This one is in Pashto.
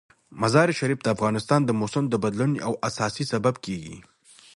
مزارشریف د افغانستان د موسم د بدلون یو اساسي سبب کېږي.